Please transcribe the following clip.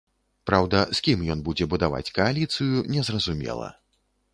Праўда, з кім ён будзе будаваць кааліцыю, не зразумела.